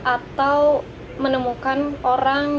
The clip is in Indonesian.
atau menemukan orang